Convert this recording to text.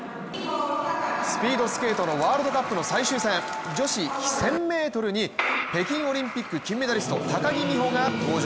スピードスケートのワールドカップの最終戦女子１０００ｍに北京オリンピック金メダリスト、高木美帆が登場。